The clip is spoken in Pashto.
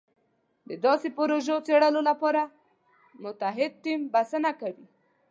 د داسې پروژو څېړلو لپاره متعهد ټیم بسنه کوي.